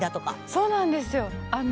そうなんですよ。